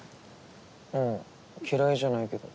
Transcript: うん嫌いじゃないけど。